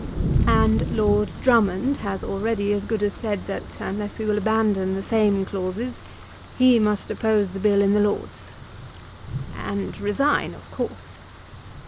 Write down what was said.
"And Lord Drummond has already as good as said that unless we will abandon the same clauses, he must oppose the Bill in the Lords." "And resign, of course."